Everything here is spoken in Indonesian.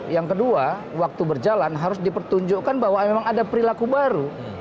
yang kedua waktu berjalan harus dipertunjukkan bahwa memang ada perilaku baru